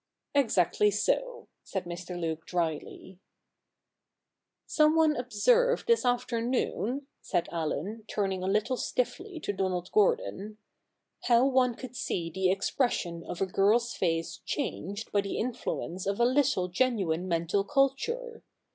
' Exactly so,' said Mr. Luke drily. ' Some one observed this afternoon,' said Allen, turn ing a little stiffly to Donald Gordon, ' how one could see the expression of a girl's face changed by the influence of a little genuine mental culture.